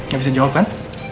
gak bisa jawab kan